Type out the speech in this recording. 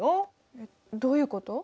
えっどういうこと？